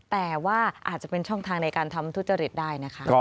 แต่ว่าอาจจะเป็นช่องทางในการทำทุจริตได้นะคะ